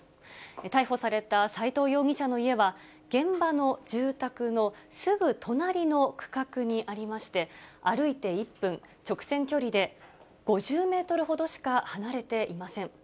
逮捕された斎藤容疑者の家は、現場の住宅のすぐ隣の区画にありまして、歩いて１分、直線距離で５０メートルほどしか離れていません。